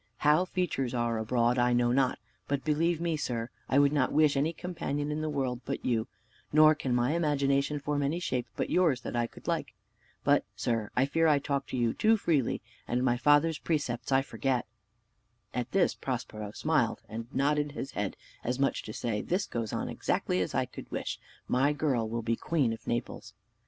How features are abroad, I know not; but, believe me, sir, I would not wish any companion in the world but you, nor can my imagination form any shape but yours that I could like. But, sir, I fear I talk to you too freely, and my father's precepts I forget." At this Prospero smiled, and nodded his head, as much as to say, "This goes on exactly as I could wish; my girl will be queen of Naples."